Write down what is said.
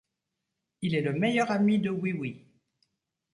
Il est le meilleur ami de Oui-Oui.